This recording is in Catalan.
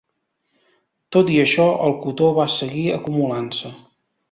Tot i això, el cotó va seguir acumulant-se.